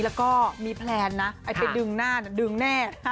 แล้วก็มีแพลนนะไอ้ไปดึงหน้าดึงแน่